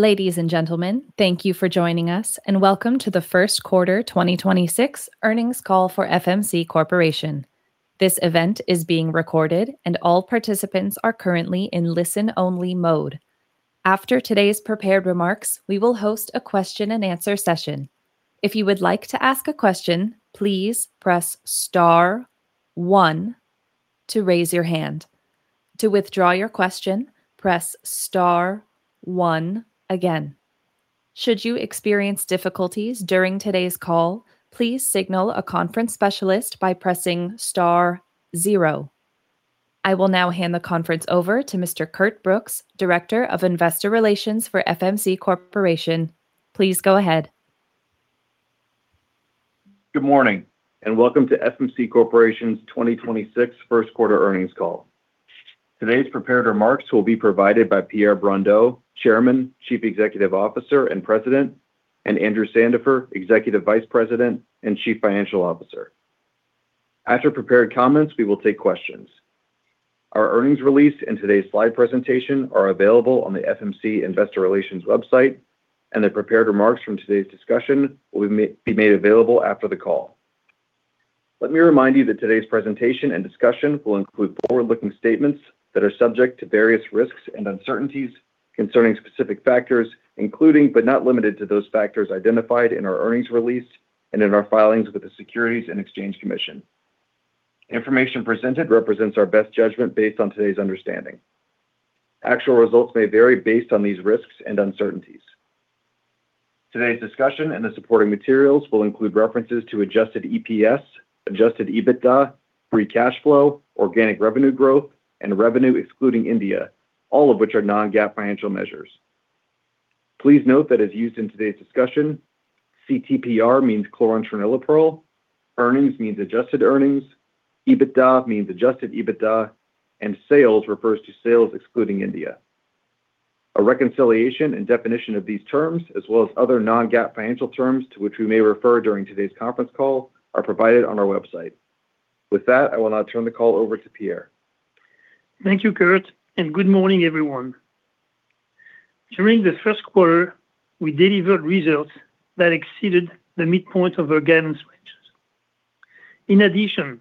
Ladies and gentlemen, thank you for joining us and welcome to the first quarter 2026 earnings call for FMC Corporation. This event is being recorded and all participants are currently in listen only mode. After today's prepared remarks, we will host a question and answer session. If you would like to ask a question, please press star one to raise your hand. To withdraw your question, press star one again. Should you experience difficulties during today's call, please signal a conference specialist by pressing star zero. I will now hand the conference over to Mr. Curt Brooks, Director of Investor Relations for FMC Corporation. Please go ahead. Good morning, welcome to FMC Corporation's 2026 first quarter earnings call. Today's prepared remarks will be provided by Pierre Brondeau, Chairman, Chief Executive Officer and President, and Andrew Sandifer, Executive Vice President and Chief Financial Officer. After prepared comments, we will take questions. Our earnings release and today's slide presentation are available on the FMC investor relations website. The prepared remarks from today's discussion will be made available after the call. Let me remind you that today's presentation and discussion will include forward-looking statements that are subject to various risks and uncertainties concerning specific factors, including, but not limited to those factors identified in our earnings release and in our filings with the Securities and Exchange Commission. Information presented represents our best judgment based on today's understanding. Actual results may vary based on these risks and uncertainties. Today's discussion and the supporting materials will include references to adjusted EPS, adjusted EBITDA, free cash flow, organic revenue growth, and revenue excluding India, all of which are non-GAAP financial measures. Please note that as used in today's discussion, CTPR means chlorantraniliprole, earnings means adjusted earnings, EBITDA means adjusted EBITDA, and sales refers to sales excluding India. A reconciliation and definition of these terms, as well as other non-GAAP financial terms to which we may refer during today's conference call, are provided on our website. With that, I will now turn the call over to Pierre. Thank you, Curt, and good morning, everyone. During the first quarter, we delivered results that exceeded the midpoint of our guidance ranges. In addition,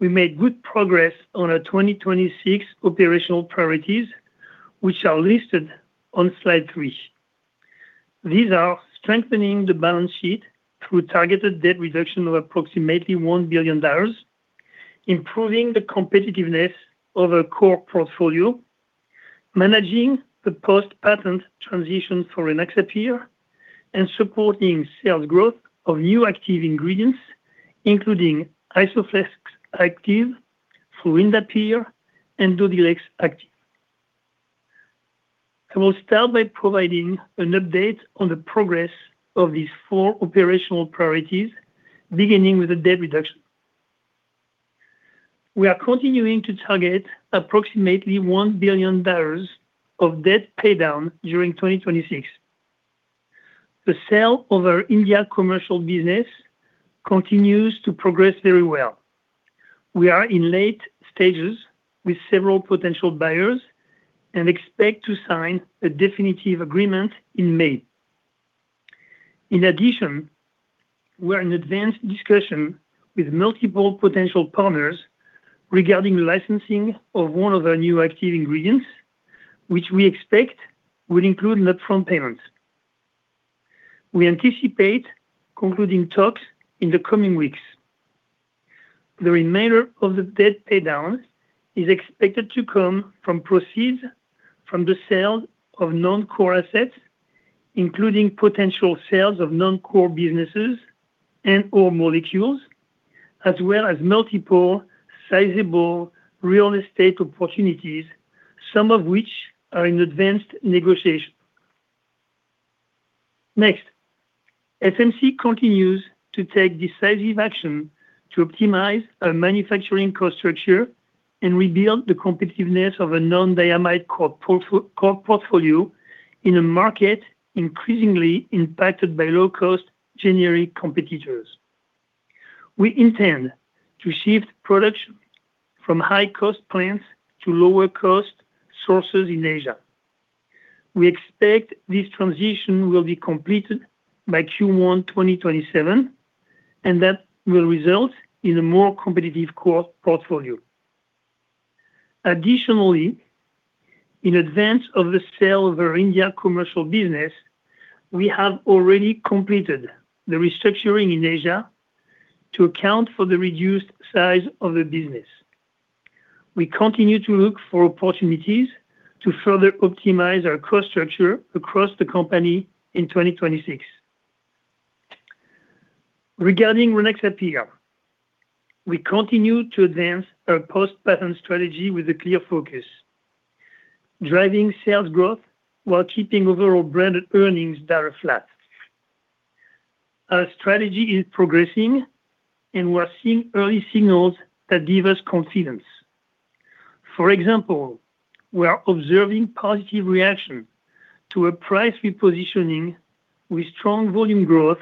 we made good progress on our 2026 operational priorities, which are listed on slide three. These are strengthening the balance sheet through targeted debt reduction of approximately $1 billion, improving the competitiveness of our core portfolio, managing the post-patent transition for Rynaxypyr, and supporting sales growth of new active ingredients, including Isoflex active, fluindapyr, and Dodhylex active. I will start by providing an update on the progress of these four operational priorities, beginning with the debt reduction. We are continuing to target approximately $1 billion of debt paydown during 2026. The sale of our India commercial business continues to progress very well. We are in late stages with several potential buyers and expect to sign a definitive agreement in May. In addition, we're in advanced discussion with multiple potential partners regarding licensing of one of our new active ingredients, which we expect will include lump sum payments. We anticipate concluding talks in the coming weeks. The remainder of the debt paydown is expected to come from proceeds from the sale of non-core assets, including potential sales of non-core businesses and/or molecules, as well as multiple sizable real estate opportunities, some of which are in advanced negotiation. FMC continues to take decisive action to optimize our manufacturing cost structure and rebuild the competitiveness of a non-diamide core portfolio in a market increasingly impacted by low-cost generic competitors. We intend to shift production from high-cost plants to lower cost sources in Asia. We expect this transition will be completed by Q1 2027. That will result in a more competitive cost portfolio. In advance of the sale of our India commercial business, we have already completed the restructuring in Asia to account for the reduced size of the business. We continue to look for opportunities to further optimize our cost structure across the company in 2026. Rynaxypyr, we continue to advance our post-patent strategy with a clear focus, driving sales growth while keeping overall branded earnings direct flat. Our strategy is progressing, and we're seeing early signals that give us confidence. We are observing positive reaction to a price repositioning with strong volume growth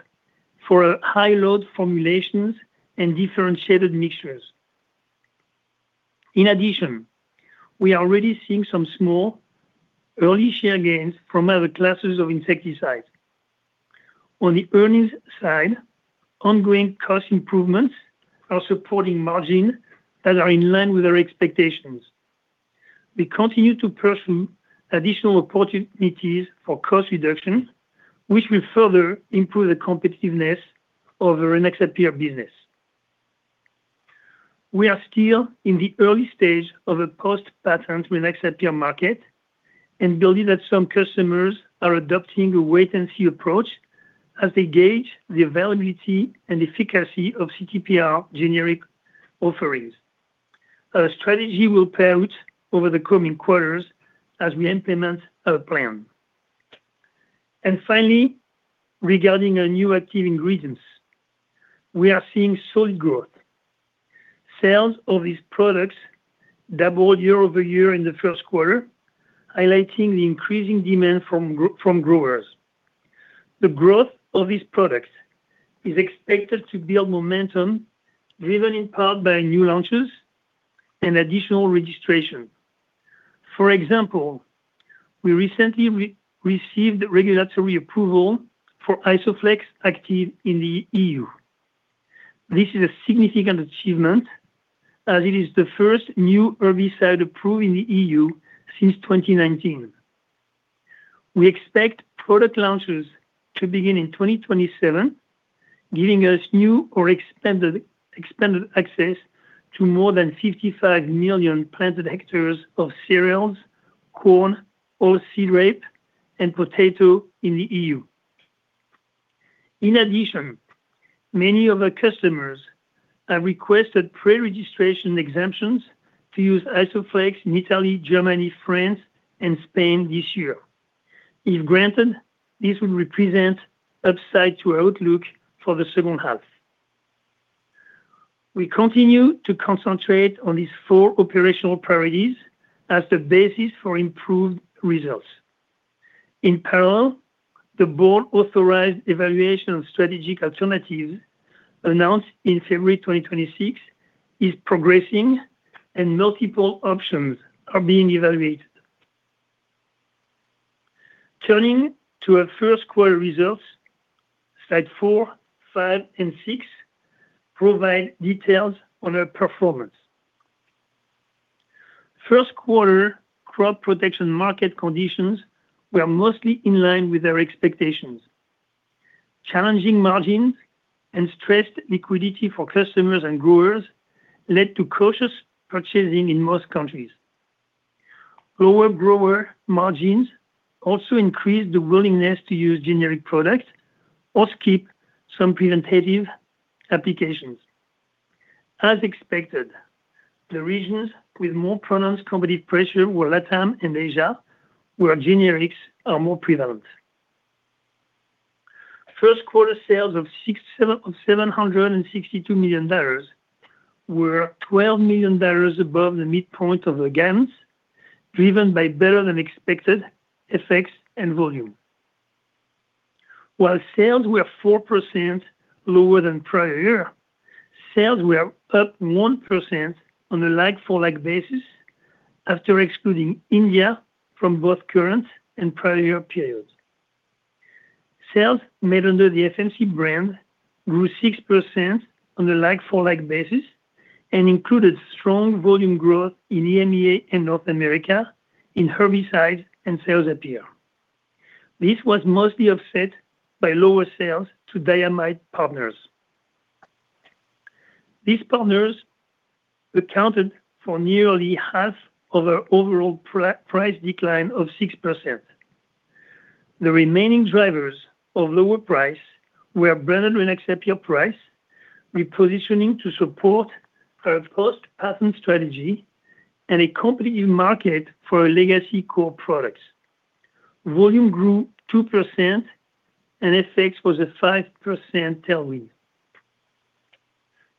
for our high-load formulations and differentiated mixtures. We are already seeing some small early share gains from other classes of insecticides. On the earnings side, ongoing cost improvements are supporting margin that are in line with our expectations. We continue to pursue additional opportunities for cost reduction, which will further improve the competitiveness of our Rynaxypyr business. We are still in the early stage of a post-patent with Rynaxypyr market and believe that some customers are adopting a wait-and-see approach as they gauge the availability and efficacy of CTPR generic offerings. Finally, regarding our new active ingredients, we are seeing solid growth. Sales of these products doubled year-over-year in the first quarter, highlighting the increasing demand from growers. The growth of these products is expected to build momentum, driven in part by new launches and additional registration. For example, we recently re-received regulatory approval for Isoflex active in the EU. This is a significant achievement as it is the first new herbicide approved in the EU since 2019. We expect product launches to begin in 2027, giving us new or expanded access to more than 55 million planted hectares of cereals, corn, oilseed rape, and potato in the EU. Many of our customers have requested pre-registration exemptions to use Isoflex in Italy, Germany, France, and Spain this year. If granted, this will represent upside to our outlook for the second half. We continue to concentrate on these four operational priorities as the basis for improved results. The board authorized evaluation of strategic alternatives announced in February 2026 is progressing and multiple options are being evaluated. Turning to our first quarter results, slide four, five, and six provide details on our performance. First quarter crop protection market conditions were mostly in line with our expectations. Challenging margins and stressed liquidity for customers and growers led to cautious purchasing in most countries. Lower grower margins also increased the willingness to use generic products or skip some preventative applications. As expected, the regions with more pronounced competitive pressure were LATAM and Asia, where generics are more prevalent. First quarter sales of $762 million were $12 million above the midpoint of the guidance, driven by better-than-expected FX and volume. While sales were 4% lower than prior year, sales were up 1% on a like-for-like basis after excluding India from both current and prior year periods. Sales made under the FMC brand grew 6% on a like-for-like basis and included strong volume growth in EMEA and North America in herbicides and sales appear. This was mostly offset by lower sales to diamide partners. These partners accounted for nearly half of our overall price decline of 6%. The remaining drivers of lower price were branded Rynaxypyr price, repositioning to support our post-patent strategy, and a competitive market for our legacy core products. Volume grew 2%, FX was a 5% tailwind.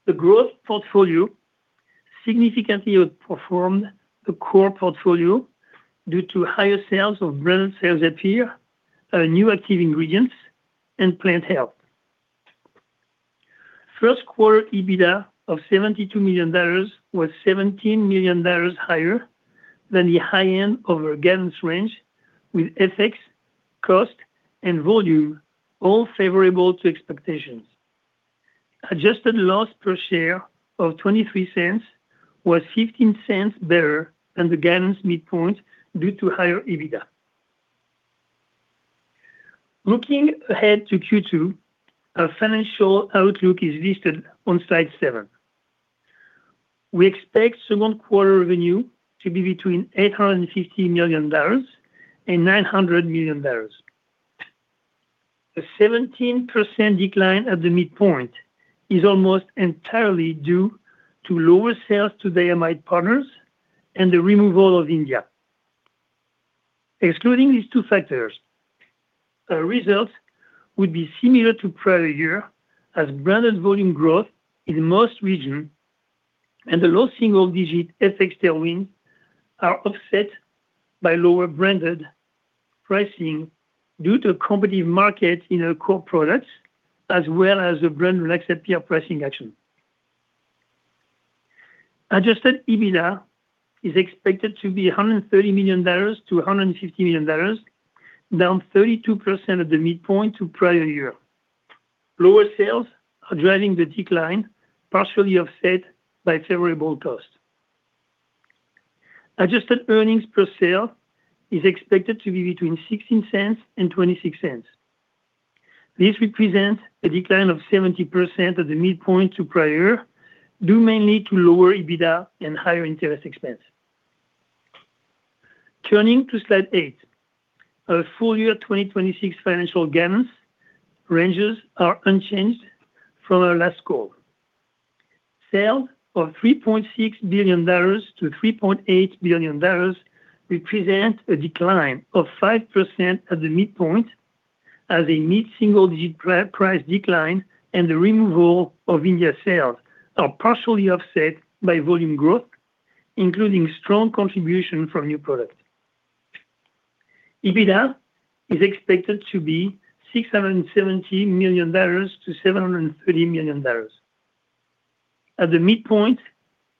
The growth portfolio significantly outperformed the core portfolio due to higher sales of branded Cyazypyr, our new active ingredients, and plant health. First quarter EBITDA of $72 million was $17 million higher than the high end of our guidance range, with FX, cost, and volume all favorable to expectations. Adjusted loss per share of $0.23 was $0.15 better than the guidance midpoint due to higher EBITDA. Looking ahead to Q2, our financial outlook is listed on slide seven. We expect second quarter revenue to be between $850 million and $900 million. The 17% decline at the midpoint is almost entirely due to lower sales to diamide partners and the removal of India. Excluding these two factors, our results would be similar to prior year as branded volume growth in most regions and the low single-digit FX tailwind are offset by lower branded pricing due to competitive market in our core products, as well as the brand-relaxed CTPR pricing action. Adjusted EBITDA is expected to be $130 million-$150 million, down 32% at the midpoint to prior year. Lower sales are driving the decline partially offset by favorable costs. Adjusted EPS is expected to be between $0.16 and $0.26. This represents a decline of 70% at the midpoint to prior year, due mainly to lower EBITDA and higher interest expense. Turning to slide eight. Our full year 2026 financial guidance ranges are unchanged from our last call. Sales of $3.6 billion-$3.8 billion represent a decline of 5% at the midpoint as a mid single-digit price decline and the removal of India sales are partially offset by volume growth, including strong contribution from new products. EBITDA is expected to be $670 million-$730 million. At the midpoint,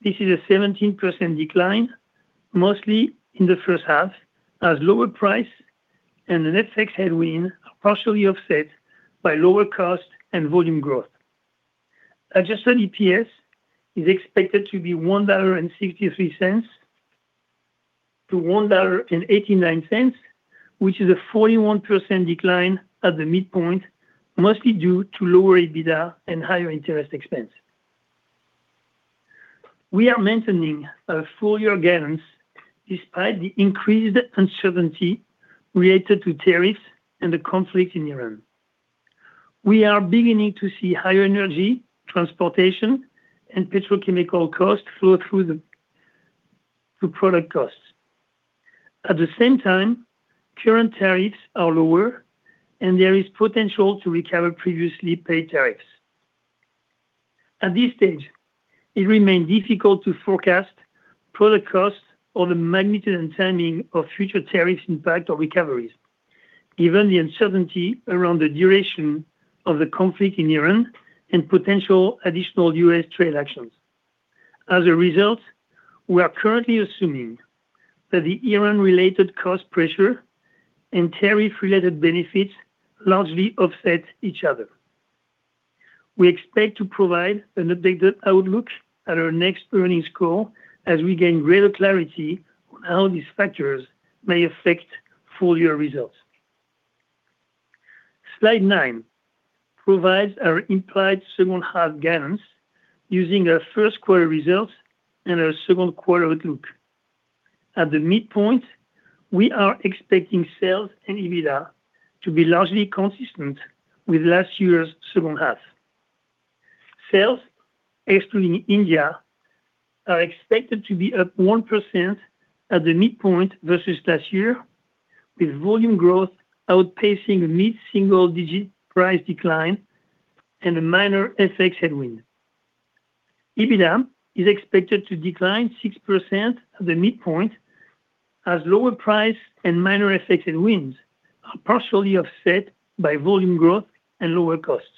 this is a 17% decline, mostly in the first half, as lower price and the net effects had been partially offset by lower cost and volume growth. adjusted EPS is expected to be $1.63-$1.89, which is a 41% decline at the midpoint, mostly due to lower EBITDA and higher interest expense. We are maintaining our full-year guidance despite the increased uncertainty related to tariffs and the conflict in Iran. We are beginning to see higher energy, transportation, and petrochemical costs flow through product costs. At the same time, current tariffs are lower, and there is potential to recover previously paid tariffs. At this stage, it remains difficult to forecast product costs or the magnitude and timing of future tariffs impact or recoveries, given the uncertainty around the duration of the conflict in Iran and potential additional U.S. trade actions. We are currently assuming that the Iran-related cost pressure and tariff-related benefits largely offset each other. We expect to provide an updated outlook at our next earnings call as we gain greater clarity on how these factors may affect full-year results. Slide nine provides our implied second half guidance using our first quarter results and our second quarter outlook. At the midpoint, we are expecting sales and EBITDA to be largely consistent with last year's second half. Sales, excluding India, are expected to be up 1% at the midpoint versus last year, with volume growth outpacing mid single-digit price decline and a minor FX headwind. EBITDA is expected to decline 6% at the midpoint as lower price and minor FX headwinds are partially offset by volume growth and lower costs.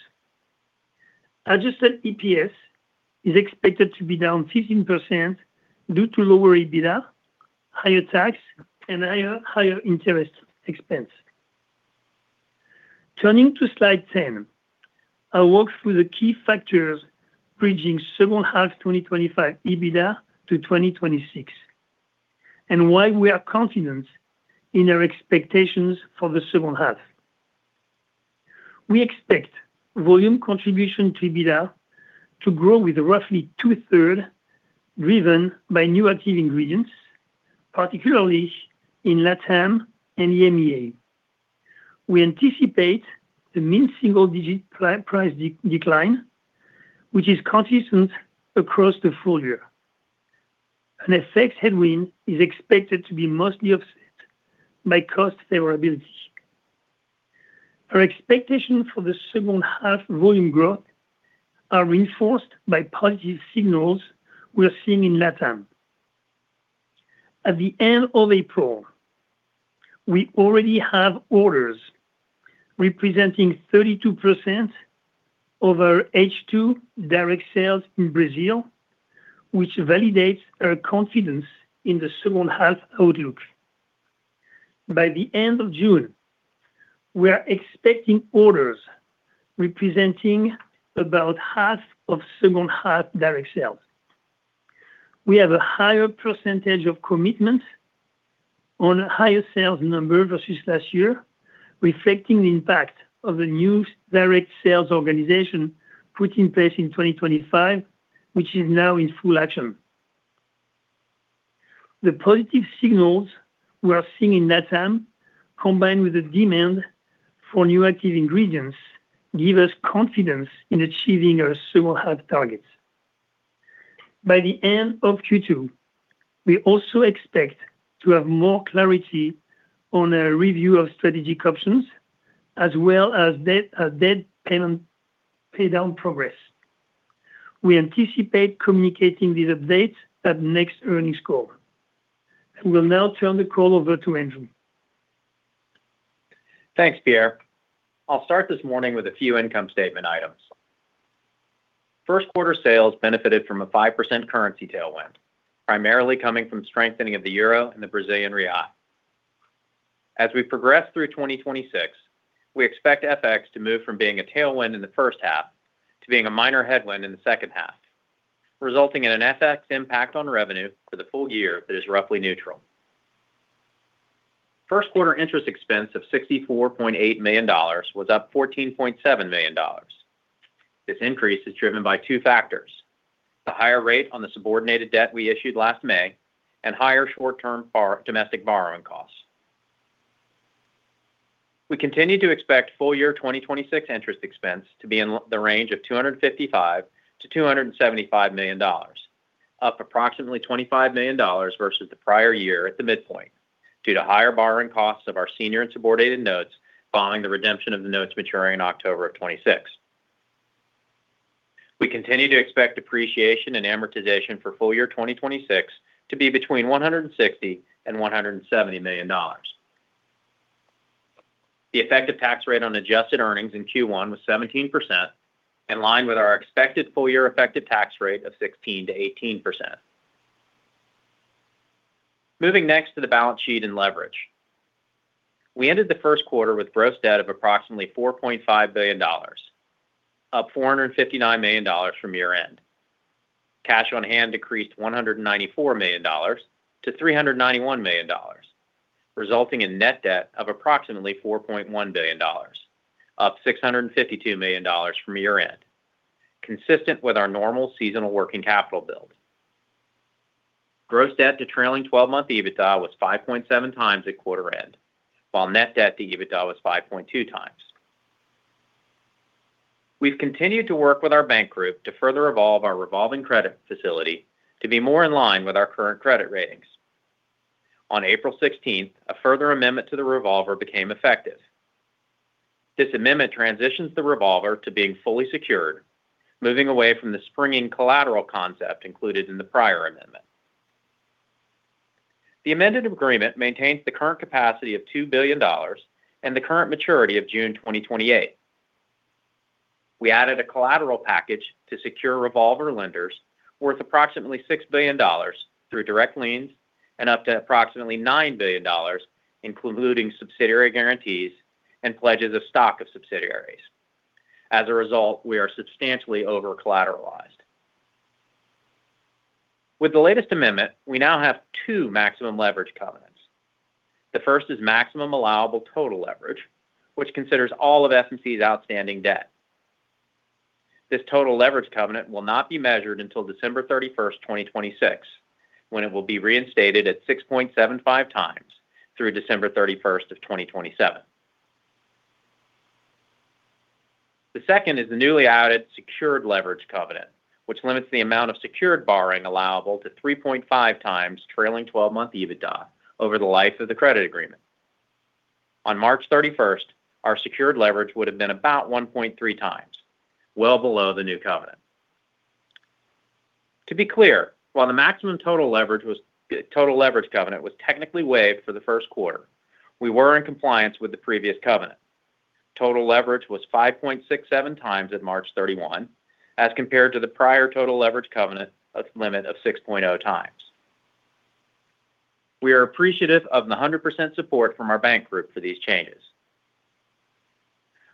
Adjusted EPS is expected to be down 15% due to lower EBITDA, higher tax, and higher interest expense. Turning to Slide 10, I'll walk through the key factors bridging second half 2025 EBITDA to 2026 and why we are confident in our expectations for the second half. We expect volume contribution to EBITDA to grow with roughly 2/3, driven by new active ingredients, particularly in LATAM and EMEA. We anticipate the mid single-digit price decline, which is consistent across the full year. An FX headwind is expected to be mostly offset by cost favorability. Our expectations for the second half volume growth are reinforced by positive signals we are seeing in LATAM. At the end of April, we already have orders representing 32% of our H2 direct sales in Brazil, which validates our confidence in the second half outlook. By the end of June, we are expecting orders representing about half of second half direct sales. We have a higher percentage of commitment on higher sales number versus last year, reflecting the impact of the new direct sales organization put in place in 2025, which is now in full action. The positive signals we are seeing in LATAM, combined with the demand for new active ingredients, give us confidence in achieving our second half targets. By the end of Q2, we also expect to have more clarity on a review of strategic options as well as debt payment pay down progress. We anticipate communicating these updates at next earnings call. I will now turn the call over to Andrew. Thanks, Pierre. I'll start this morning with a few income statement items. First quarter sales benefited from a 5% currency tailwind, primarily coming from strengthening of the EUR and the BRL. As we progress through 2026, we expect FX to move from being a tailwind in the first half to being a minor headwind in the second half, resulting in an FX impact on revenue for the full year that is roughly neutral. First quarter interest expense of $64.8 million was up $14.7 million. This increase is driven by two factors: the higher rate on the subordinated debt we issued last May and higher short-term domestic borrowing costs. We continue to expect full year 2026 interest expense to be in the range of $255 million-$275 million, up approximately $25 million versus the prior year at the midpoint due to higher borrowing costs of our senior and subordinated notes following the redemption of the notes maturing in October of 2026. We continue to expect depreciation and amortization for full year 2026 to be between $160 million and $170 million. The effective tax rate on adjusted earnings in Q1 was 17%, in line with our expected full year effective tax rate of 16%-18%. Moving next to the balance sheet and leverage. We ended the first quarter with gross debt of approximately $4.5 billion, up $459 million from year-end. Cash on hand decreased $194 million-$391 million, resulting in net debt of approximately $4.1 billion, up $652 million from year-end, consistent with our normal seasonal working capital build. Gross debt to trailing 12 month EBITDA was 5.7x at quarter end, while net debt to EBITDA was 5.2x. We've continued to work with our bank group to further evolve our revolving credit facility to be more in line with our current credit ratings. On April 16th, a further amendment to the revolver became effective. This amendment transitions the revolver to being fully secured, moving away from the springing collateral concept included in the prior amendment. The amended agreement maintains the current capacity of $2 billion and the current maturity of June 2028. We added a collateral package to secure revolver lenders worth approximately $6 billion through direct liens and up to approximately $9 billion, including subsidiary guarantees and pledges of stock of subsidiaries. As a result, we are substantially over-collateralized. With the latest amendment, we now have two maximum leverage covenants. The first is maximum allowable total leverage, which considers all of FMC's outstanding debt. This total leverage covenant will not be measured until December 31st, 2026, when it will be reinstated at 6.75x through December 31st, 2027. The second is the newly added secured leverage covenant, which limits the amount of secured borrowing allowable to 3.5x trailing 12 month EBITDA over the life of the credit agreement. On March 31st, our secured leverage would have been about 1.3x, well below the new covenant. To be clear, while the maximum total leverage covenant was technically waived for the first quarter, we were in compliance with the previous covenant. Total leverage was 5.67x at March 31, as compared to the prior total leverage covenant limit of 6.0x. We are appreciative of the 100% support from our bank group for these changes.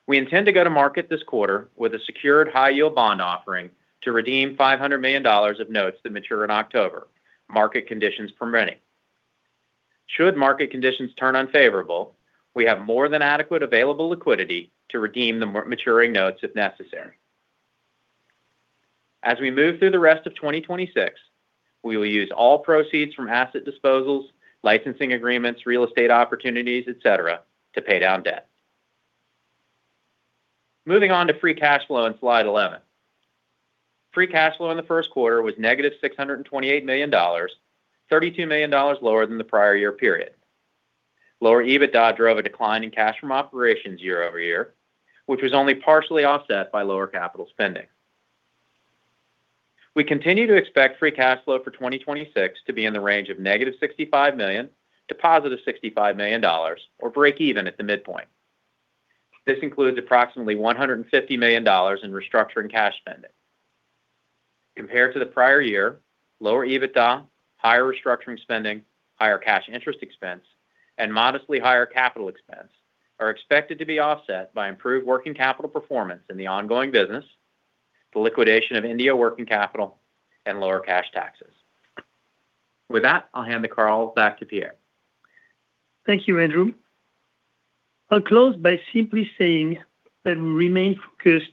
We intend to go to market this quarter with a secured high-yield bond offering to redeem $500 million of notes that mature in October, market conditions permitting. Should market conditions turn unfavorable, we have more than adequate available liquidity to redeem the maturing notes if necessary. As we move through the rest of 2026, we will use all proceeds from asset disposals, licensing agreements, real estate opportunities, et cetera, to pay down debt. Moving on to free cash flow on slide 11. Free cash flow in the first quarter was $-628 million, $32 million lower than the prior year period. Lower EBITDA drove a decline in cash from operations year-over-year, which was only partially offset by lower capital spending. We continue to expect free cash flow for 2026 to be in the range of $-65 million to $+65 million, or break even at the midpoint. This includes approximately $150 million in restructuring cash spending. Compared to the prior year, lower EBITDA, higher restructuring spending, higher cash interest expense, and modestly higher capital expense are expected to be offset by improved working capital performance in the ongoing business, the liquidation of India working capital, and lower cash taxes. With that, I'll hand the call back to Pierre. Thank you, Andrew. I'll close by simply saying that we remain focused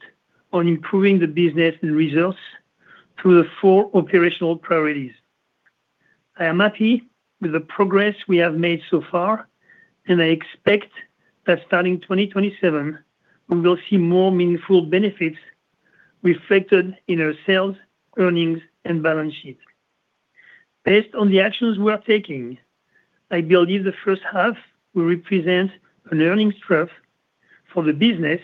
on improving the business and results through the four operational priorities. I am happy with the progress we have made so far, and I expect that starting 2027, we will see more meaningful benefits reflected in our sales, earnings, and balance sheet. Based on the actions we are taking, I believe the first half will represent an earnings trough for the business,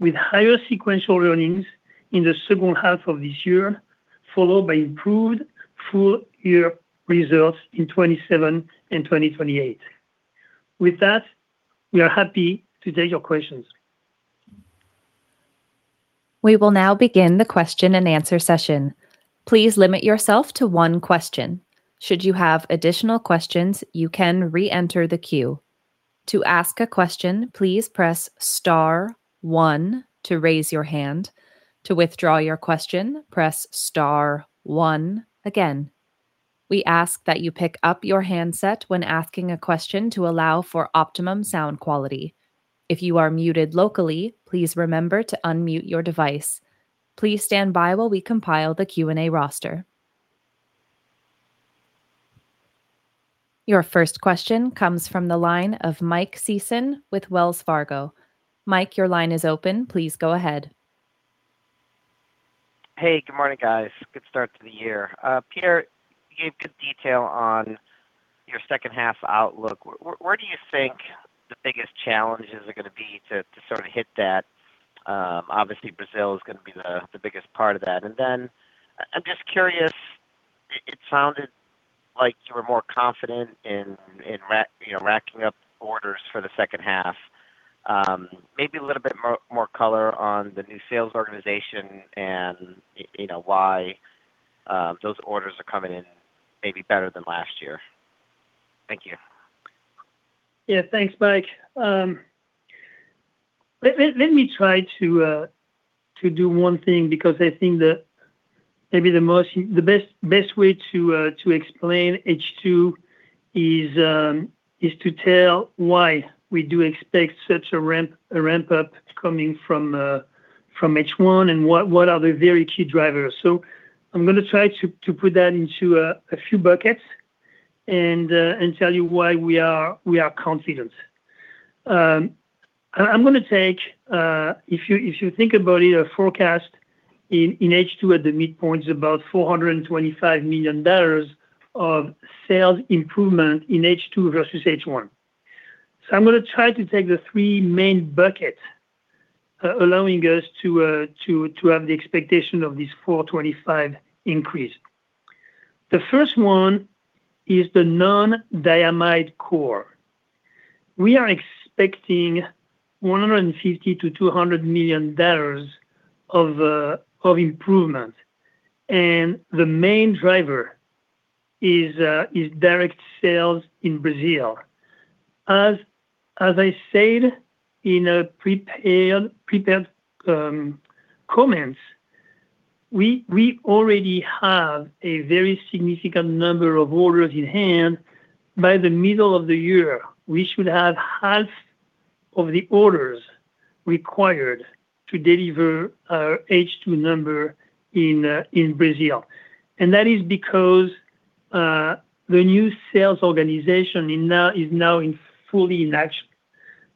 with higher sequential earnings in the second half of this year, followed by improved full-year results in 2027 and 2028. With that, we are happy to take your questions. We will now begin the question and answer session. Please limit yourself to one question. Should you have additional questions, you can reenter the queue. To ask a question, please press star one to raise your hand. To withdraw your question, press star one again. We ask that you pick up your handset when asking a question to allow for optimum sound quality. If you are muted locally, please remember to unmute your device. Please stand by while we compile the Q&A roster. Your first question comes from the line of Mike Sison with Wells Fargo. Mike, your line is open. Please go ahead. Hey, good morning, guys. Good start to the year. Pierre, you gave good detail on your second half outlook. Where do you think the biggest challenges are gonna be to sort of hit that? Obviously Brazil is gonna be the biggest part of that. I'm just curious, it sounded like you were more confident in, you know, racking up orders for the second half. Maybe a little bit more color on the new sales organization and, you know, why those orders are coming in maybe better than last year. Thank you. Thanks, Mike. Let me try to do one thing because I think that maybe the best way to explain H2 is to tell why we do expect such a ramp up coming from H1, and what are the very key drivers. I'm gonna try to put that into a few buckets and tell you why we are confident. I'm gonna take, if you think about it, our forecast in H2 at the midpoint is about $425 million of sales improvement in H2 versus H1. I'm gonna try to take the three main buckets allowing us to have the expectation of this 425 increase. The first one is the non-diamide core. We are expecting $150 million-$200 million of improvement. The main driver is direct sales in Brazil. As I said in prepared comments, we already have a very significant number of orders in hand. By the middle of the year, we should have half of the orders required to deliver our H2 number in Brazil. That is because the new sales organization is now fully in action.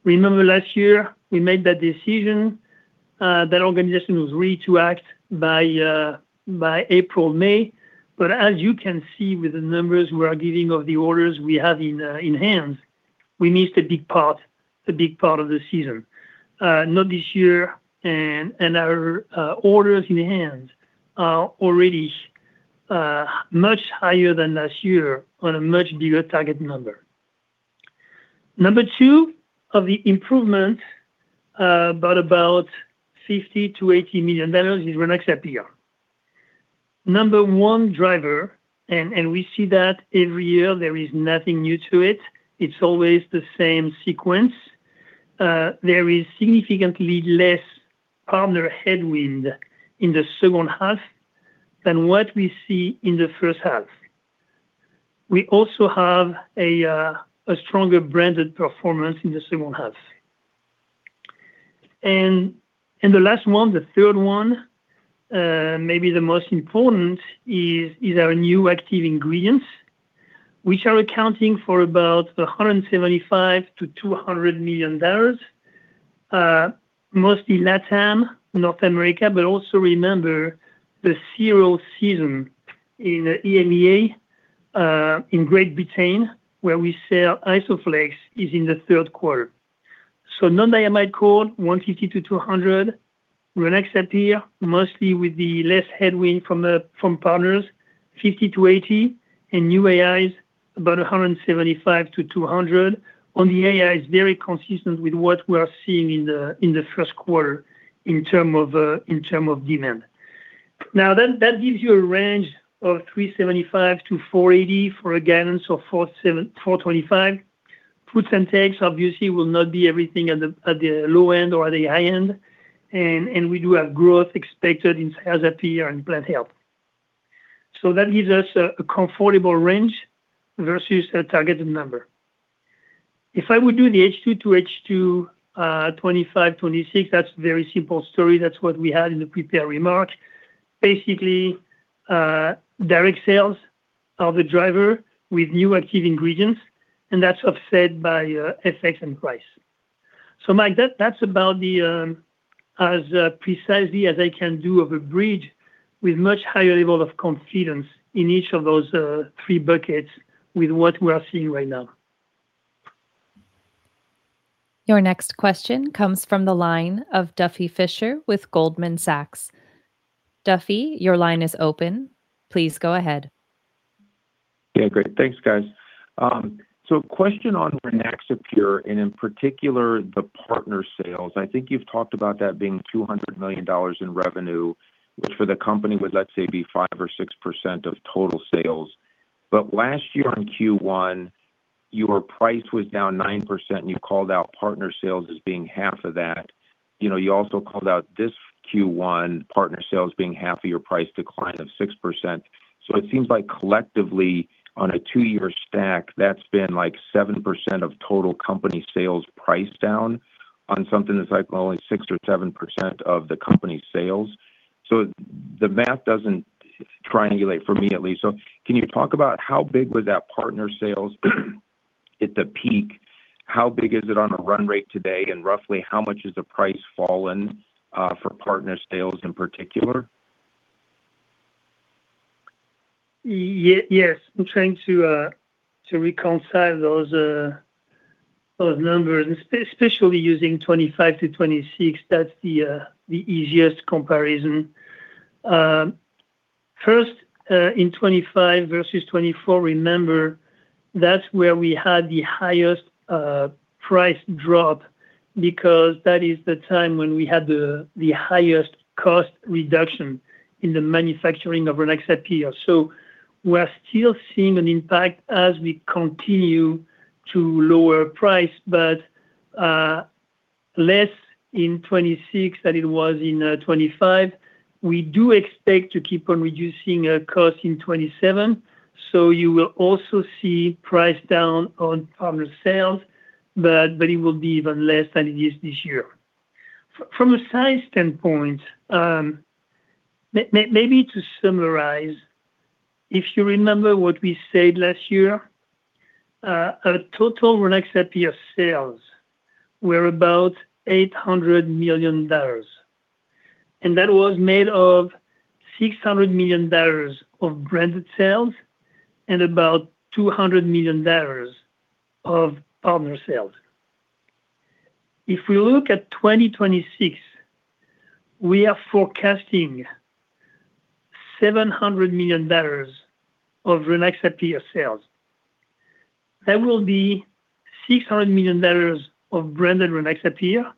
Remember last year, we made that decision, that organization was ready to act by April, May. As you can see with the numbers we are giving of the orders we have in hand, we missed a big part of the season. Not this year, our orders in hand are already much higher than last year on a much bigger target number. Number two of the improvement, about $50 million-$80 million is Rynaxypyr. Number one driver, we see that every year, there is nothing new to it's always the same sequence, there is significantly less partner headwind in the second half than what we see in the first half. We also have a stronger branded performance in the second half. The last one, the third one, maybe the most important, is our new active ingredients, which are accounting for about $175 million-$200 million, mostly LATAM, North America, but also remember the cereal season in EMEA, in Great Britain, where we sell Isoflex is in the third quarter. Non-diamide core, $150-$200. Rynaxypyr, mostly with the less headwind from from partners, $50-$80 in new AIs, about $175-$200. On the AI is very consistent with what we are seeing in the first quarter in term of demand. That gives you a range of $375-$480 for a guidance of $425. Foods and techs obviously will not be everything at the low end or at the high end. We do have growth expected in health and peer and plant health. That gives us a comfortable range versus a targeted number. If I would do the H2 to H2 2025, 2026, that's very simple story. That's what we had in the prepared remarks. Basically, direct sales are the driver with new active ingredients, and that's offset by FX and price. Mike, that's about the as precisely as I can do of a bridge with much higher level of confidence in each of those three buckets with what we are seeing right now. Your next question comes from the line of Duffy Fischer with Goldman Sachs. Duffy, your line is open. Please go ahead. Great. Thanks, guys. Question on Rynaxypyr, and in particular, the partner sales. I think you've talked about that being $200 million in revenue, which for the company would, let's say, be 5% or 6% of total sales. Last year on Q1, your price was down 9%, and you called out partner sales as being half of that. You know, you also called out this Q1 partner sales being half of your price decline of 6%. It seems like collectively, on a two year stack, that's been like 7% of total company sales price down on something that's like only 6% or 7% of the company sales. The math doesn't triangulate for me, at least. Can you talk about how big was that partner sales at the peak? How big is it on a run rate today, and roughly how much has the price fallen for partner sales in particular? Yes. I'm trying to reconcile those numbers, especially using 2025 to 2026. That's the easiest comparison. First, in 2025 versus 2024, remember that's where we had the highest price drop because that is the time when we had the highest cost reduction in the manufacturing of Rynaxypyr. We're still seeing an impact as we continue to lower price, but less in 2026 than it was in 2025. We do expect to keep on reducing cost in 2027, so you will also see price down on partner sales, but it will be even less than it is this year. From a size standpoint, maybe to summarize, if you remember what we said last year, our total Rynaxypyr sales were about $800 million. That was made of $600 million of branded sales and about $200 million of partner sales. If we look at 2026, we are forecasting $700 million of Rynaxypyr sales. That will be $600 million of branded Rynaxypyr,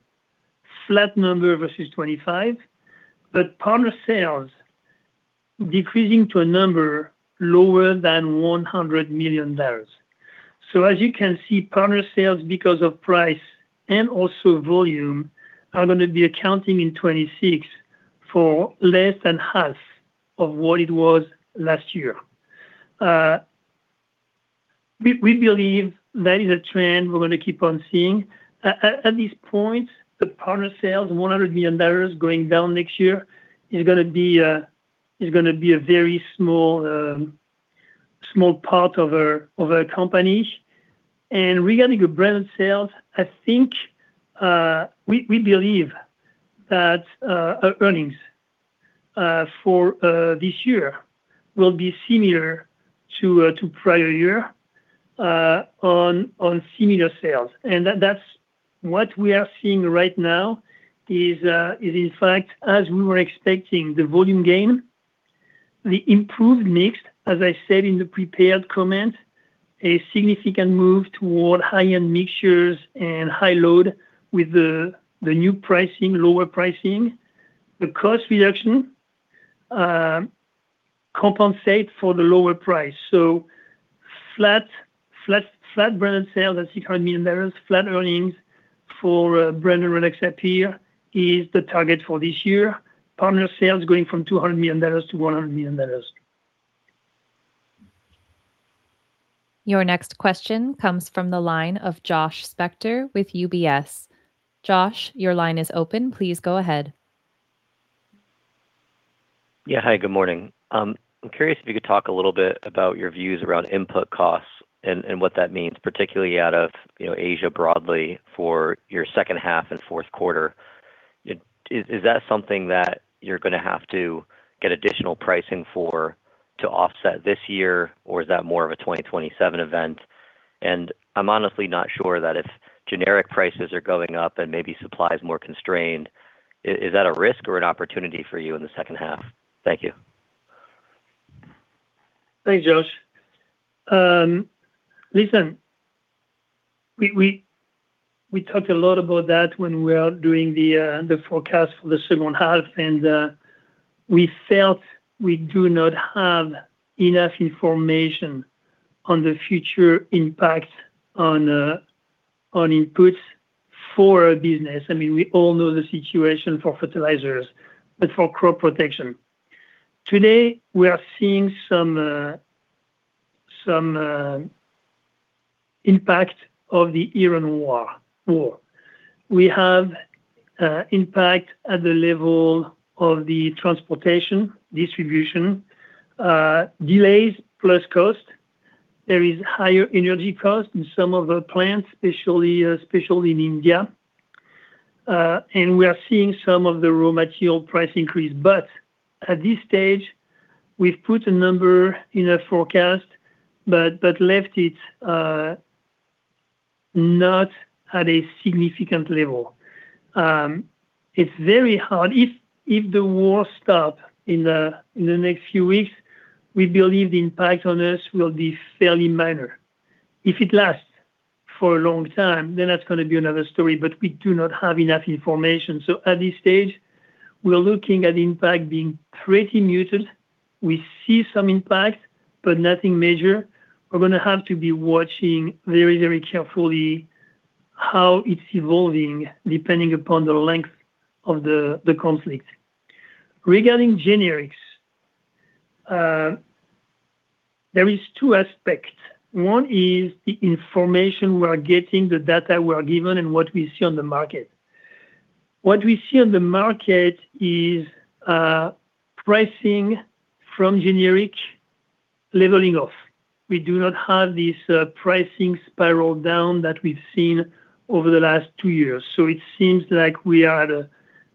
flat number versus 2025, but partner sales decreasing to a number lower than $100 million. As you can see, partner sales, because of price and also volume, are gonna be accounting in 2026 for less than half of what it was last year. We believe that is a trend we're gonna keep on seeing. At this point, the partner sales, $100 million going down next year is gonna be a very small part of our company. Regarding the branded sales, I think, we believe that our earnings for this year will be similar to prior year on similar sales. That's what we are seeing right now is in fact, as we were expecting, the volume gain, the improved mix, as I said in the prepared comment, a significant move toward high-end mixtures and high load with the new pricing, lower pricing. The cost reduction compensate for the lower price. Flat branded sale, that's $800 million. Flat earnings for brand Rynaxypyr is the target for this year. Partner sales going from $200 million-$100 million. Your next question comes from the line of Josh Spector with UBS. Josh, your line is open. Please go ahead. Yeah, hi. Good morning. I'm curious if you could talk a little bit about your views around input costs and what that means, particularly out of, you know, Asia broadly for your second half and fourth quarter. Is that something that you're gonna have to get additional pricing for to offset this year, or is that more of a 2027 event? I'm honestly not sure that if generic prices are going up and maybe supply is more constrained, is that a risk or an opportunity for you in the second half? Thank you. Thanks, Josh. Listen, we talked a lot about that when we are doing the forecast for the second half, and we felt we do not have enough information on the future impact on inputs for business. I mean, we all know the situation for fertilizers, but for crop protection. Today, we are seeing some impact of the Iran war. We have impact at the level of the transportation, distribution, delays plus cost. There is higher energy cost in some of the plants, especially in India. We are seeing some of the raw material price increase. At this stage, we've put a number in a forecast, but left it not at a significant level. It's very hard. If the war stop in the next few weeks, we believe the impact on us will be fairly minor. If it lasts for a long time, then that's gonna be another story, but we do not have enough information. At this stage, we are looking at impact being pretty muted. We see some impact, but nothing major. We're gonna have to be watching very, very carefully how it's evolving depending upon the length of the conflict. Regarding generics, there is two aspects. One is the information we are getting, the data we are given, and what we see on the market. What we see on the market is pricing from generic leveling off. We do not have this pricing spiral down that we've seen over the last two years. It seems like we are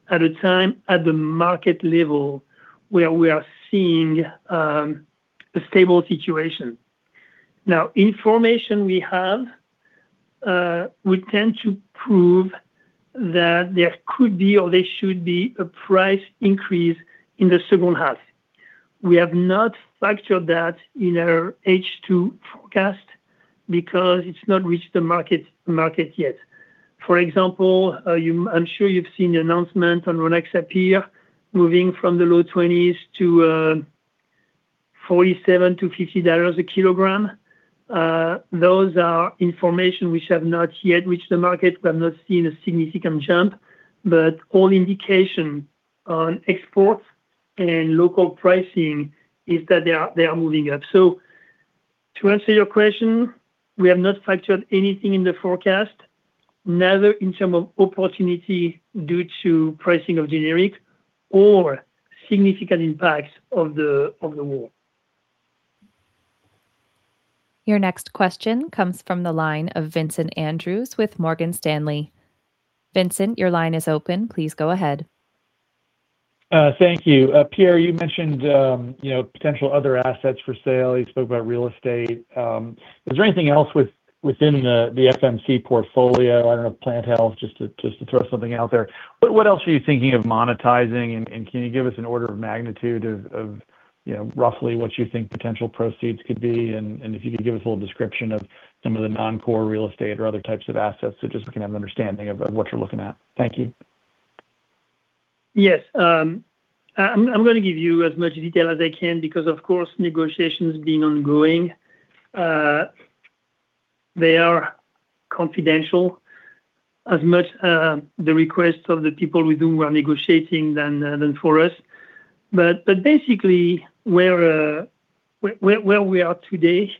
at a time at the market level where we are seeing a stable situation. Now, information we have would tend to prove that there could be or there should be a price increase in the second half. We have not factored that in our H2 forecast because it's not reached the market yet. For example, I'm sure you've seen the announcement on Rynaxypyr moving from the low-20s to $47-$50 /kg. Those are information which have not yet reached the market. We have not seen a significant jump, but all indication on exports and local pricing is that they are moving up. To answer your question, we have not factored anything in the forecast, neither in term of opportunity due to pricing of generic or significant impacts of the, of the war. Your next question comes from the line of Vincent Andrews with Morgan Stanley. Vincent, your line is open. Please go ahead. Thank you. Pierre, you mentioned, you know, potential other assets for sale. You spoke about real estate. Is there anything else within the FMC portfolio? I don't know, plant health, just to, just to throw something out there. What else are you thinking of monetizing? Can you give us an order of magnitude of, you know, roughly what you think potential proceeds could be and if you could give us a little description of some of the non-core real estate or other types of assets so just we can have an understanding of what you're looking at. Thank you. Yes. I'm gonna give you as much detail as I can because, of course, negotiations being ongoing, they are confidential as much the request of the people with whom we're negotiating than for us. Basically, where we are today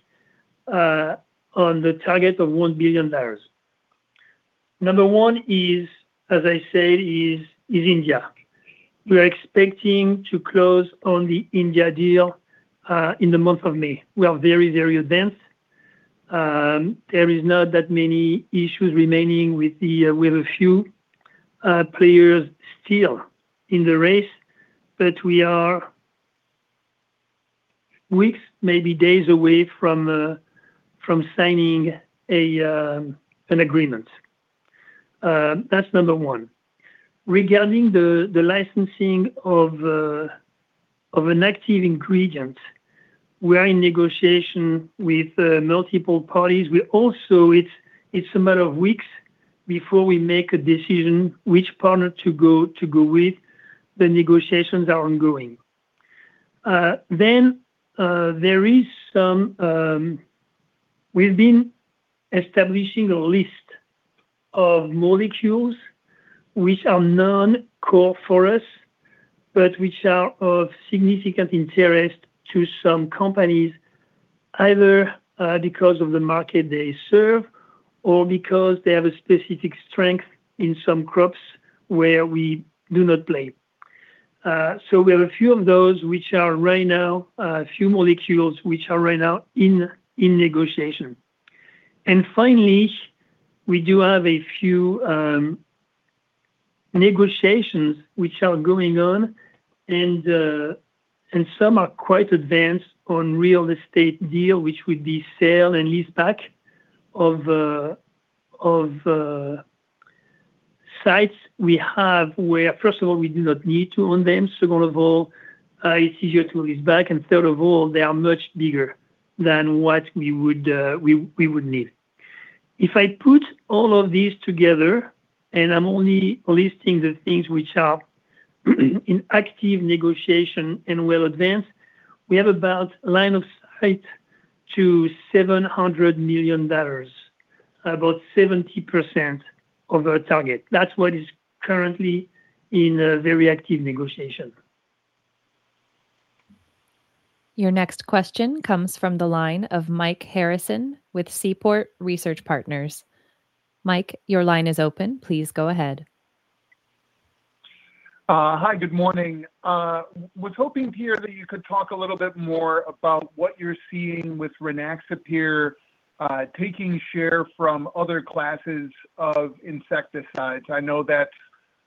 on the target of $1 billion. Number one is, as I said, India. We are expecting to close on the India deal in the month of May. We are very advanced. There is not that many issues remaining. We have a few players still in the race, but we are weeks, maybe days away from signing an agreement. That's number one. Regarding the licensing of an active ingredient, we are in negotiation with multiple parties. We also it's a matter of weeks before we make a decision which partner to go with. The negotiations are ongoing. We've been establishing a list of molecules which are non-core for us, but which are of significant interest to some companies either because of the market they serve or because they have a specific strength in some crops where we do not play. We have a few of those which are right now a few molecules which are right now in negotiation. Finally, we do have a few negotiations which are going on and some are quite advanced on real estate deal which would be sale and leaseback of sites we have where, first of all, we do not need to own them. Second of all, it's easier to lease back, and third of all, they are much bigger than what we would need. If I put all of these together, and I'm only listing the things which are in active negotiation and well advanced, we have about line of sight to $700 million, about 70% of our target. That's what is currently in a very active negotiation. Next question comes from the line of Mike Harrison with Seaport Research Partners. Mike, your line is open. Please go ahead. Hi, good morning. Was hoping, Pierre, that you could talk a little bit more about what you're seeing with Rynaxypyr taking share from other classes of insecticides. I know that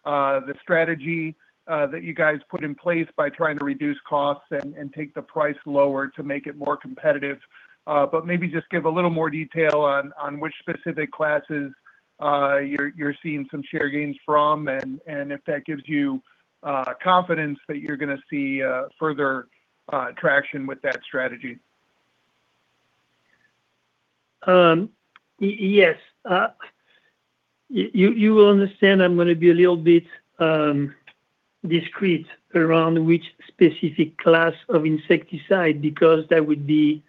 the strategy that you guys put in place by trying to reduce costs and take the price lower to make it more competitive. Maybe just give a little more detail on which specific classes you're seeing some share gains from, and if that gives you confidence that you're gonna see further traction with that strategy. Yes. You will understand I'm gonna be a little bit discreet around which specific class of insecticide because that would be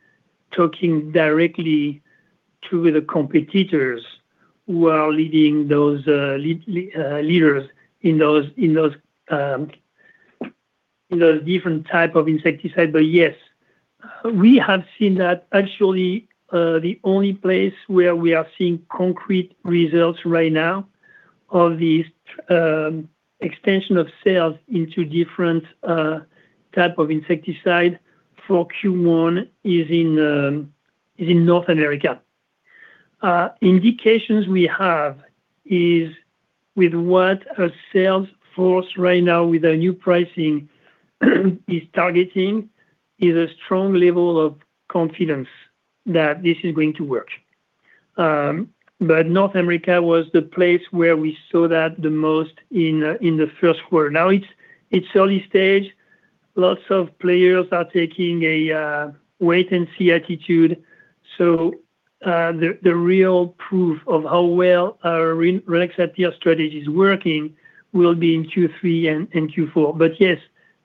talking directly to the competitors who are leading those leaders in those, in those, in those different type of insecticide. Yes, we have seen that. Actually, the only place where we are seeing concrete results right now of this extension of sales into different type of insecticide for Q1 is in North America. Indications we have is with what our sales force right now with our new pricing is targeting, is a strong level of confidence that this is going to work. North America was the place where we saw that the most in the first quarter. Now, it's early stage. Lots of players are taking a wait and see attitude, so the real proof of how well our Rynaxypyr strategy is working will be in Q3 and in Q4. Yes,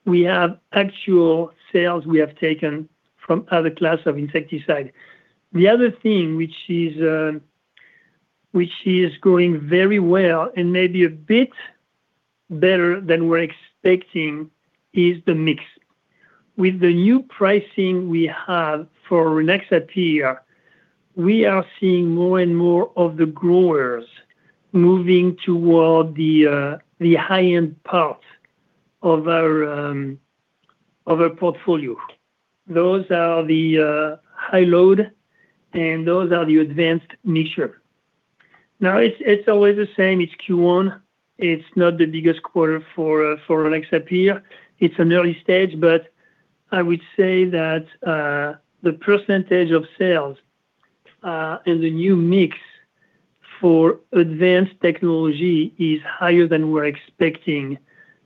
we have actual sales we have taken from other class of insecticide. The other thing, which is going very well and maybe a bit better than we're expecting is the mix. With the new pricing we have for Rynaxypyr, we are seeing more and more of the growers moving toward the high-end part of our portfolio. Those are the high load, and those are the advanced niche. It's always the same. It's Q1. It's not the biggest quarter for Rynaxypyr. It's an early stage. I would say that the percentage of sales and the new mix for advanced technology is higher than we're expecting,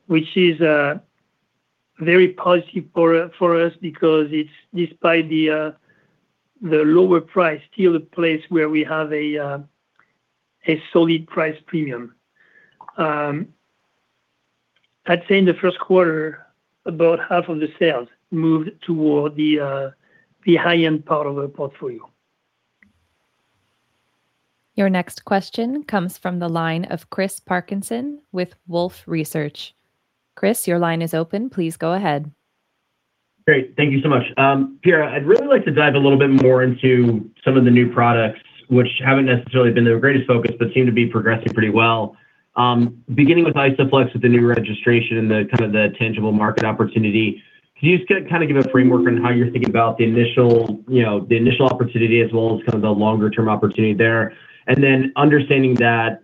which is very positive for for us because it's despite the lower price, still a place where we have a solid price premium. I'd say in the first quarter, about half of the sales moved toward the high-end part of our portfolio. Your next question comes from the line of Chris Parkinson with Wolfe Research. Chris, your line is open. Please go ahead. Great. Thank you so much. Pierre, I'd really like to dive a little bit more into some of the new products which haven't necessarily been the greatest focus but seem to be progressing pretty well. Beginning with Isoflex with the new registration and the kind of the tangible market opportunity, can you just kinda give a framework on how you're thinking about the initial, you know, opportunity as well as kind of the longer term opportunity there? Understanding that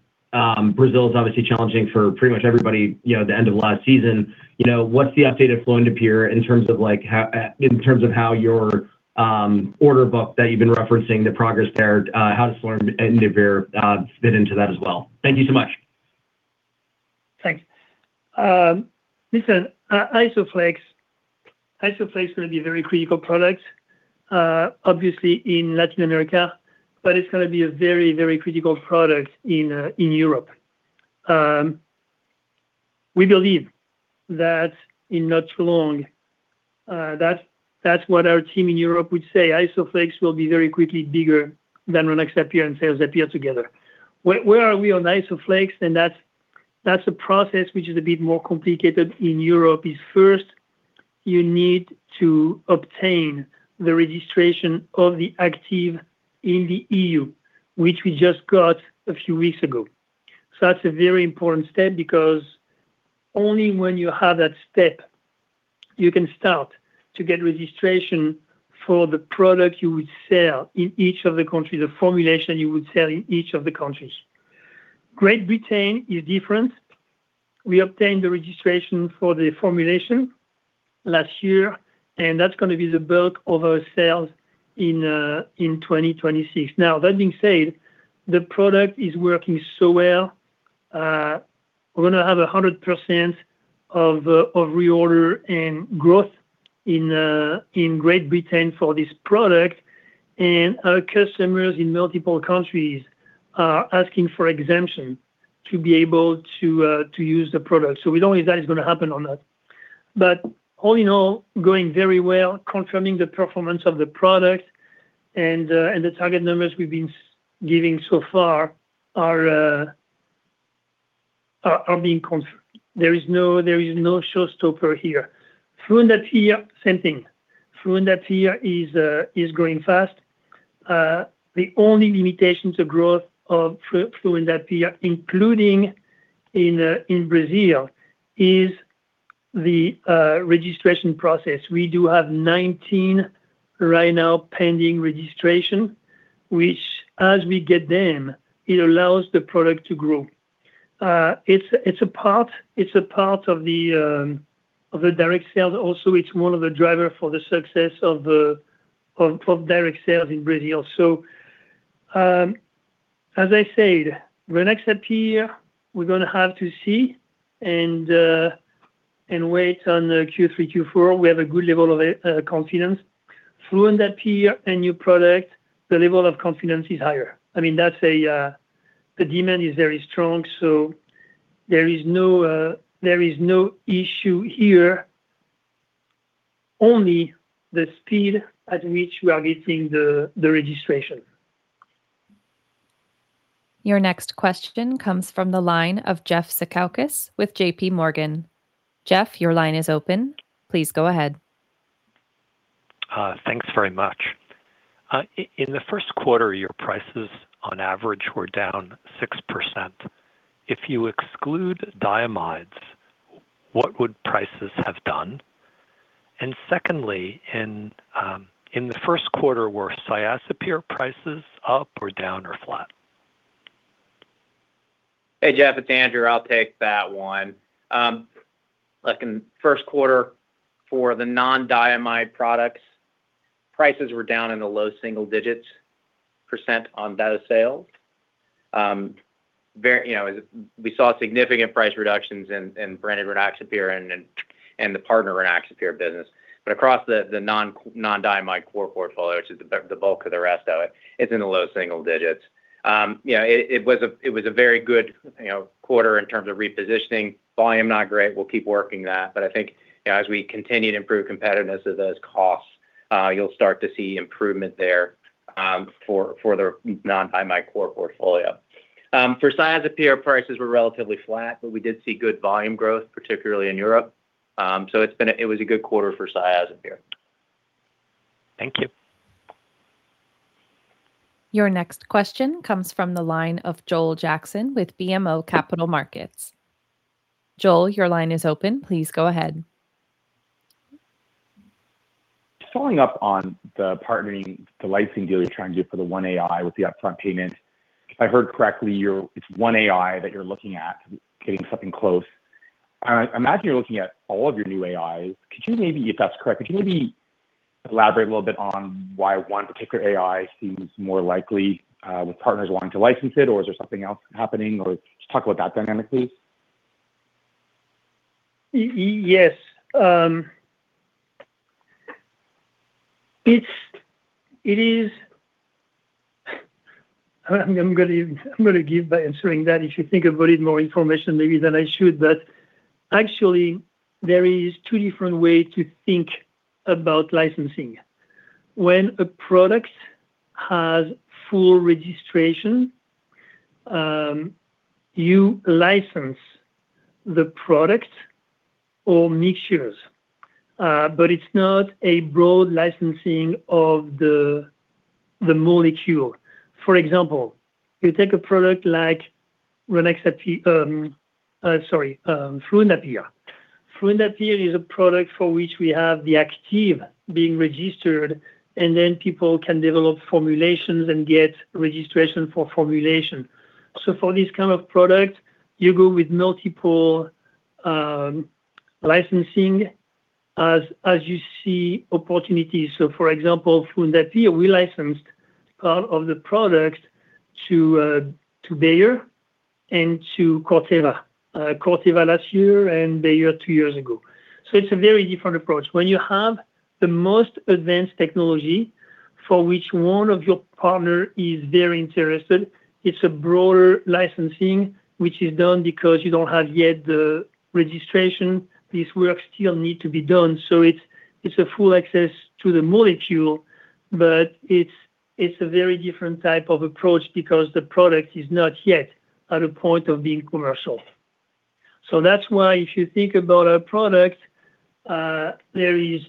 Brazil is obviously challenging for pretty much everybody, you know, at the end of last season. You know, what's the update of fluindapyr in terms of like how your order book that you've been referencing, the progress there, how does fluindapyr fit into that as well? Thank you so much. Thanks. Listen, Isoflex is gonna be a very critical product, obviously in Latin America, but it's gonna be a very, very critical product in Europe. We believe that in not too long, that's what our team in Europe would say. Isoflex will be very quickly bigger than Rynaxypyr and Cyazypyr together. Where are we on Isoflex? That's a process which is a bit more complicated in Europe is first you need to obtain the registration of the active in the EU, which we just got a few weeks ago. That's a very important step because only when you have that step, you can start to get registration for the product you would sell in each of the countries, the formulation you would sell in each of the countries. Great Britain is different. We obtained the registration for the formulation last year, and that's gonna be the bulk of our sales in 2026. Now, that being said, the product is working so well. We're gonna have 100% of reorder in growth in Great Britain for this product. Our customers in multiple countries are asking for exemption to be able to use the product. We don't know if that is gonna happen or not. All in all, going very well, confirming the performance of the product and the target numbers we've been giving so far are being confirmed. There is no showstopper here. Fluindapyr, same thing, fluindapyr is growing fast. The only limitations of growth of fluindapyr, including in Brazil, is the registration process. We do have 19 right now pending registration, which as we get them, it allows the product to grow. It's a part of the direct sales also. It's one of the driver for the success of direct sales in Brazil. As I said, Rynaxypyr we're gonna have to see and wait on the Q3, Q4. We have a good level of confidence. Fluindapyr a new product, the level of confidence is higher. I mean, that's a the demand is very strong, so there is no there is no issue here, only the speed at which we are getting the registration. Your next question comes from the line of Jeff Zekauskas with JPMorgan. Jeff, your line is open. Please go ahead. Thanks very much. In the first quarter, your prices on average were down 6%. If you exclude diamides, what would prices have done? Secondly, in the first quarter, were Cyazypyr prices up or down or flat? Hey, Jeff, it's Andrew. I'll take that one. Look, in first quarter for the non-diamide products, prices were down in the low single-digits percent on data sales. You know, we saw significant price reductions in branded Rynaxypyr and the partner Rynaxypyr business. Across the non-diamide core portfolio to the bulk of the rest of it's in the low single-digits. It was a very good, you know, quarter in terms of repositioning. Volume, not great, we'll keep working that. I think, you know, as we continue to improve competitiveness of those costs, you'll start to see improvement there for the non-diamide core portfolio. For Cyazypyr prices were relatively flat, but we did see good volume growth, particularly in Europe. It was a good quarter for Cyazypyr. Thank you. Your next question comes from the line of Joel Jackson with BMO Capital Markets. Joel, your line is open. Please go ahead. Following up on the partnering, the licensing deal you're trying to do for the 1AI with the upfront payment. If I heard correctly, you're. It's 1AI that you're looking at getting something close. I imagine you're looking at all of your new AIs. Could you maybe, if that's correct, could you maybe elaborate a little bit on why one particular AI seems more likely with partners wanting to license it or is there something else happening or just talk about that dynamic please? Yes. It's, it is. I'm going to give by answering that if you think I've added more information maybe than I should. Actually, there is two different way to think about licensing. When a product has full registration, you license the product or mixtures. It's not a broad licensing of the molecule. For example, you take a product like Rynaxypyr, sorry, fluindapyr. Fluindapyr is a product for which we have the active being registered and then people can develop formulations and get registration for formulation. For this kind of product, you go with multiple licensing as you see opportunities. For example, fluindapyr we licensed part of the product to Bayer and to Corteva. Corteva last year and Bayer two years ago. It's a very different approach. When you have the most advanced technology for which one of your partner is very interested, it's a broader licensing which is done because you don't have yet the registration. This work still need to be done. It's a full access to the molecule, but it's a very different type of approach because the product is not yet at a point of being commercial. That's why if you think about our product, there is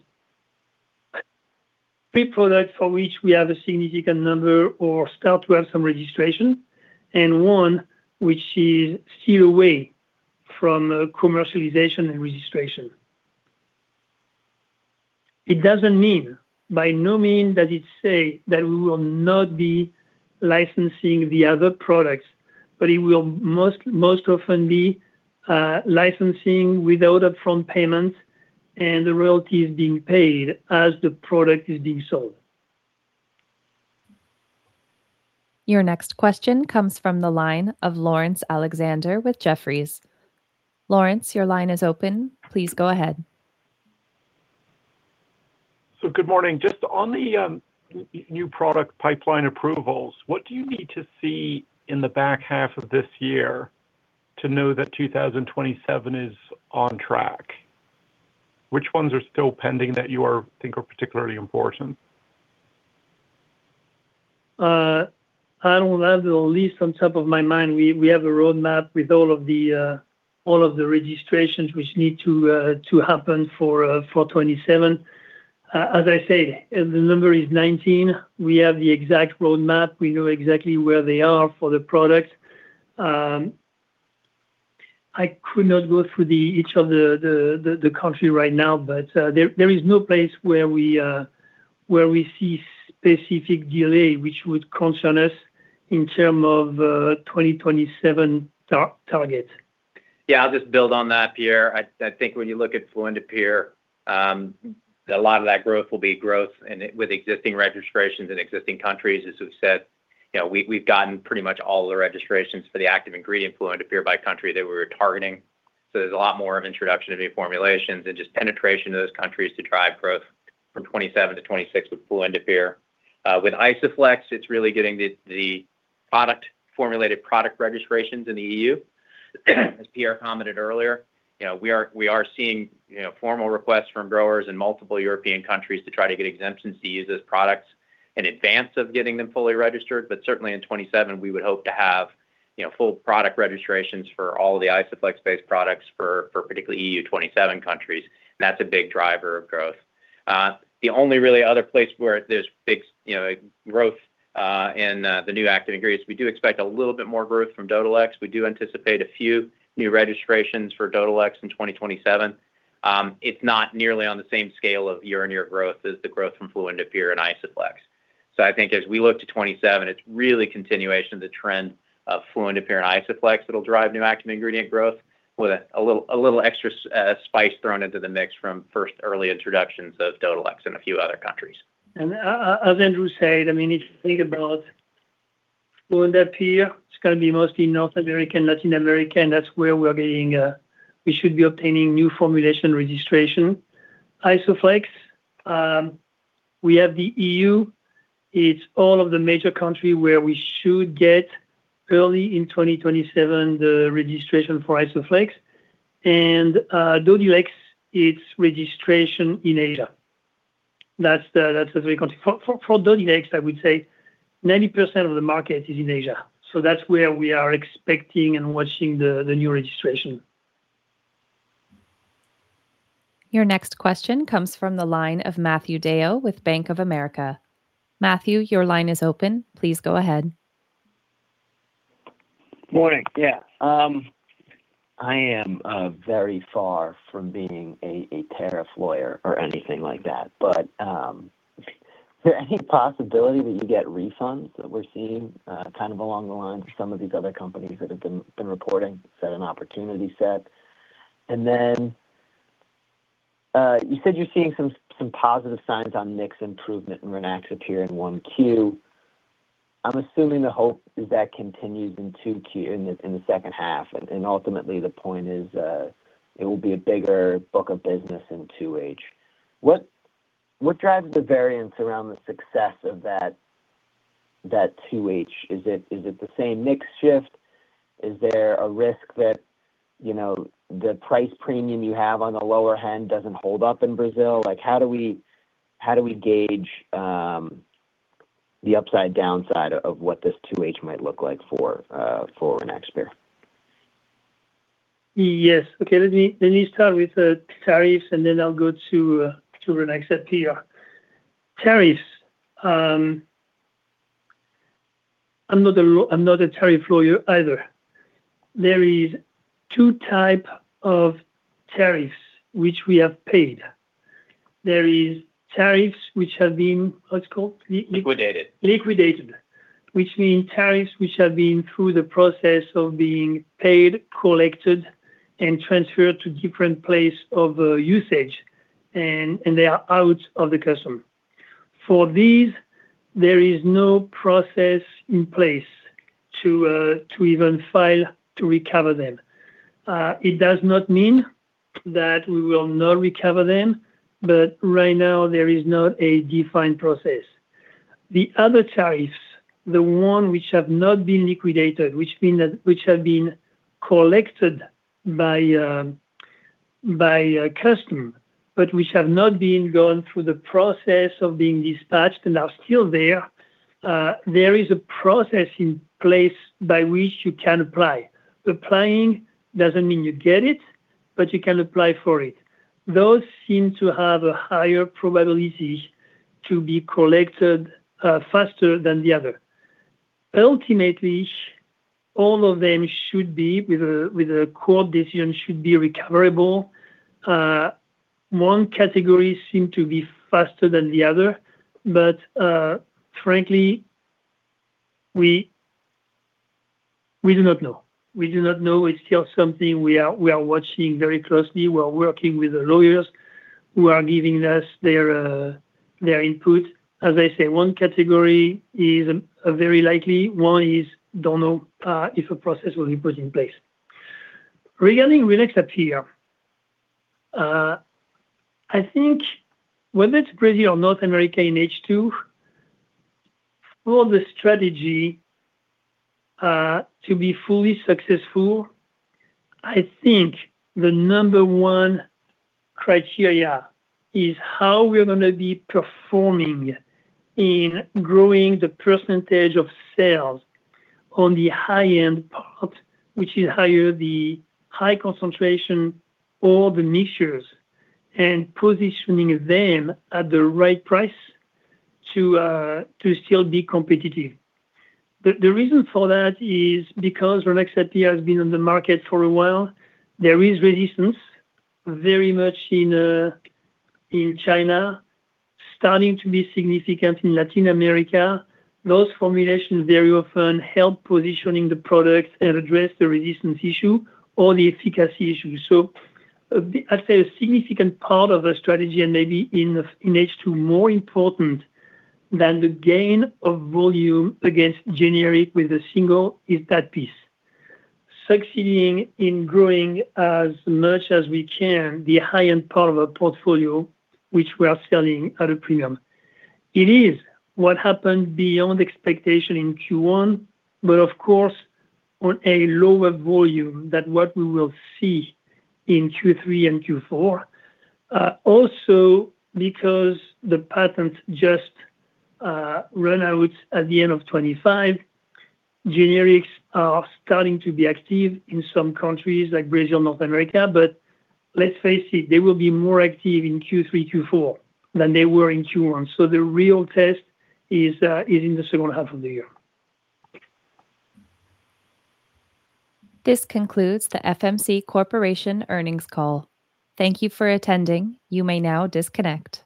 three product for which we have a significant number or start to have some registration, and one which is still away from commercialization and registration. It doesn't mean, by no means does it say that we will not be licensing the other products, but it will most often be licensing without upfront payment and the royalties being paid as the product is being sold. Your next question comes from the line of Laurence Alexander with Jefferies. Laurence, your line is open. Please go ahead. Good morning. Just on the new product pipeline approvals, what do you need to see in the back half of this year to know that 2027 is on track? Which ones are still pending that think are particularly important? I don't have the list on top of my mind. We have a roadmap with all of the registrations which need to happen for 2027. As I said, the number is 19. We have the exact roadmap. We know exactly where they are for the product. I could not go through each of the country right now, but there is no place where we see specific delay which would concern us in term of 2027 target. Just build on that, Pierre. I think when you look at fluindapyr, a lot of that growth will be growth in, with existing registrations in existing countries. As we've said, you know, we've gotten pretty much all the registrations for the active ingredient fluindapyr by country that we were targeting. There's a lot more of introduction of new formulations and just penetration to those countries to drive growth from 2027 to 2026 with fluindapyr. With Isoflex, it's really getting the product, formulated product registrations in the EU. As Pierre commented earlier, you know, we are seeing, you know, formal requests from growers in multiple European countries to try to get exemptions to use those products in advance of getting them fully registered. Certainly in 2027, we would hope to have, you know, full product registrations for all the Isoflex based products for particularly EU 27 countries. That's a big driver of growth. The only really other place where there's big, you know, growth in the new active ingredients, we do expect a little bit more growth from Dodhylex. We do anticipate a few new registrations for Dodhylex in 2027. It's not nearly on the same scale of year-over-year growth as the growth from fluindapyr and Isoflex. I think as we look to 2027, it's really continuation of the trend of fluindapyr and Isoflex that'll drive new active ingredient growth with a little extra spice thrown into the mix from first early introductions of Dodhylex in a few other countries. As Andrew said, I mean, if you think about fluindapyr, it's gonna be mostly North American, Latin American. That's where we are getting, we should be obtaining new formulation registration. Isoflex, we have the EU. It's all of the major country where we should get early in 2027 the registration for Isoflex. Dodhylex, it's registration in Asia. For Dodhylex, I would say 90% of the market is in Asia. That's where we are expecting and watching the new registration. Your next question comes from the line of Matthew DeYoe with Bank of America. Matthew, your line is open. Please go ahead. Morning. I am very far from being a tariff lawyer or anything like that, but is there any possibility that you get refunds that we're seeing kind of along the lines of some of these other companies that have been reporting, set an opportunity set? You said you're seeing some positive signs on mix improvement in Rynaxypyr here in 1Q. I'm assuming the hope is that continues in 2Q, in the second half. Ultimately the point is, it will be a bigger book of business in 2H. What drives the variance around the success of that 2H? Is it the same mix shift? Is there a risk that, you know, the price premium you have on the lower end doesn't hold up in Brazil? Like, how do we gauge the upside downside of what this 2H might look like for Rynaxypyr? Yes. Okay. Let me start with tariffs, and then I'll go to to Rynaxypyr here. Tariffs. I'm not a tariff lawyer either. There is two type of tariffs which we have paid. There is tariffs which have been, what's it called? Liquidated. Liquidated, which means tariffs which have been through the process of being paid, collected, and transferred to different place of usage, and they are out of the custom. For these, there is no process in place to even file to recover them. It does not mean that we will not recover them, but right now there is not a defined process. The other tariffs, the one which have not been liquidated, which mean that, which have been collected by custom, but which have not been gone through the process of being dispatched and are still there is a process in place by which you can apply. Applying doesn't mean you get it, but you can apply for it. Those seem to have a higher probability to be collected faster than the other. Ultimately, all of them should be, with a court decision, should be recoverable. One category seem to be faster than the other. Frankly, we do not know. We do not know. It's still something we are watching very closely. We are working with the lawyers who are giving us their input. As I say, one category is very likely. One is don't know if a process will be put in place. Regarding Rynaxypyr here, I think whether it's Brazil or North America in H2, for the strategy to be fully successful, I think the number one criteria is how we're gonna be performing in growing the percentage of sales on the high-end part, which is higher the high concentration or the niches, and positioning them at the right price to still be competitive. The reason for that is because Rynaxypyr here has been on the market for a while. There is resistance, very much in China, starting to be significant in Latin America. Those formulations very often help positioning the products and address the resistance issue or the efficacy issue. I'd say a significant part of the strategy, and maybe in H2, more important than the gain of volume against generic with a single, is that piece. Succeeding in growing as much as we can the high-end part of our portfolio, which we are selling at a premium. It is what happened beyond expectation in Q1, but of course, on a lower volume than what we will see in Q3 and Q4. Also because the patent just run out at the end of 2025, generics are starting to be active in some countries like Brazil, North America. Let's face it, they will be more active in Q3, Q4 than they were in Q1. The real test is in the second half of the year. This concludes the FMC Corporation earnings call. Thank you for attending. You may now disconnect.